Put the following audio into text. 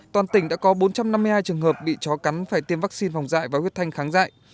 toàn tỉnh đã có bốn trăm năm mươi hai trường hợp bị chó cắn phải tiêm vaccine phòng dạy và huyết thanh kháng dại